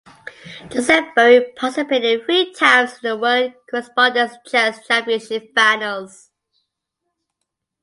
Jozef Boey participated three times in the World Correspondence Chess Championship finals.